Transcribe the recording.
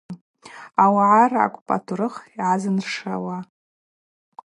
Ауагӏа ракӏвпӏ атурых гӏанзыршауа.